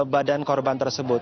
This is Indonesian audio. badan korban tersebut